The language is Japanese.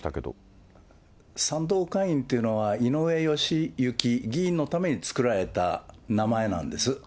賛同会員というのは、井上義行議員のために作られた名前なんです。